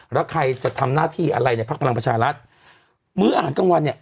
แล้วใครจะทำหน้าที่อะไรในพักพลังประชารัฐมื้ออาหารกลางวันเนี่ย